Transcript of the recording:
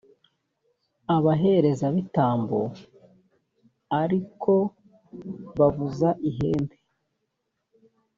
abaherezabitambo ari ko bavuza ihembe.